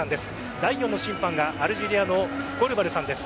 第４の審判がアルジェリアのゴルバルさんです。